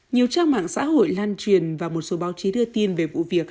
nhiều trang mạng xã hội lan truyền và một số báo chí đưa tin về vụ việc